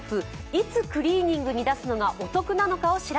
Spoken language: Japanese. いつ、クリーニングに出すのがお得なのか。